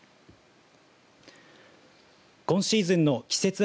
今シーズンの季節